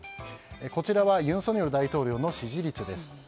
こちらは尹錫悦大統領の支持率です。